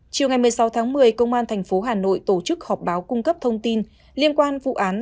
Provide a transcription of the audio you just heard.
chiều ngày một mươi sáu tháng một mươi công an tp hà nội tổ chức họp báo cung cấp thông tin liên quan vụ án